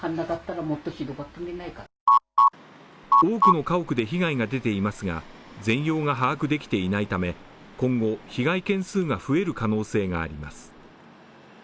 多くの家屋で被害が出ていますが、全容が把握できていないため今後、被害件数が増える可能性があります。